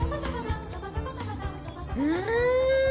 うん！